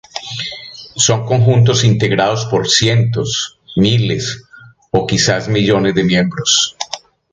Son conjuntos integrados por cientos, miles o quizás millones de miembros.